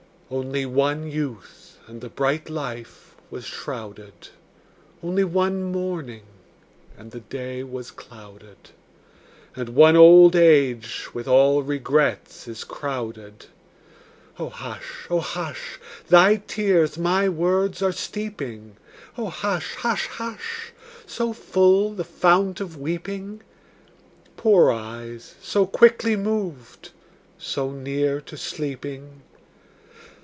Only one youth, and the bright life was shrouded; Only one morning, and the day was clouded; And one old age with all regrets is crowded. O hush, O hush! Thy tears my words are steeping. O hush, hush, hush! So full, the fount of weeping? Poor eyes, so quickly moved, so near to sleeping?